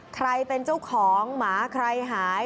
ใครเป็นเจ้าของหมาใครหาย